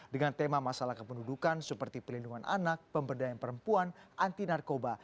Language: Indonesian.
dengan tema masalah kependudukan seperti pelindungan anak pemberdayaan perempuan anti narkoba